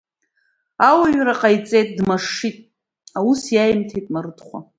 Ауаҩра ҟаиҵеит, дмашшит, аус иаимҭеит Марыҭхәа.